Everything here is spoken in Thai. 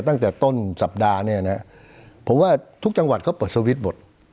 ตั้งแต่ต้นสัปดาห์เนี่ยนะผมว่าทุกจังหวัดเขาเปิดสวิตช์หมด